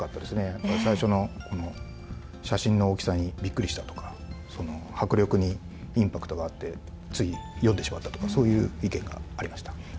やっぱり最初のこの写真の大きさにびっくりしたとか迫力にインパクトがあってつい読んでしまったとかそういう意見がありました。